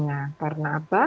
nah karena apa